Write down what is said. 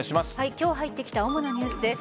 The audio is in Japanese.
今日入ってきた主なニュースです。